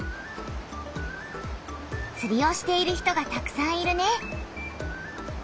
つりをしている人がたくさんいるね。